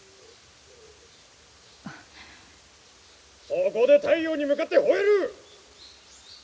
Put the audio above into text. そこで太陽に向かって吠える！